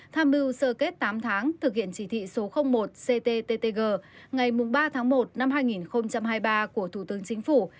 tham mưu sơ kết tám tháng thực hiện chỉ thị số một cttg ngày ba tháng một năm hai nghìn hai mươi ba của thủ tướng chính phủ